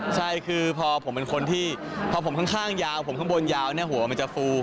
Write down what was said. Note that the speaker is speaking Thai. ใช่คือพอผมเป็นคนที่พอผมข้างยาวผมข้างบนยาวเนี่ยหัวมันจะฟู